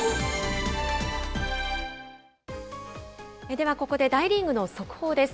では、ここで大リーグの速報です。